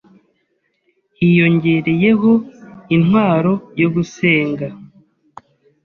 hiyongereyeho intwaro yo Gusenga,